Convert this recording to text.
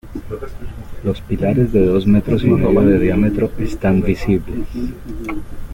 Los pilares de dos metros y medio de diámetro están visibles.